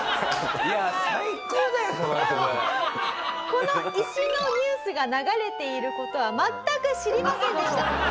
この石のニュースが流れている事は全く知りませんでした。